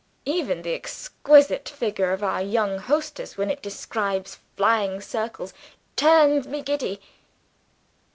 Even the exquisite figure of our young hostess, when it describes flying circles, turns me giddy."